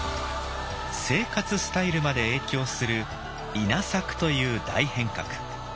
生活スタイルまで影響する「稲作」という大変革。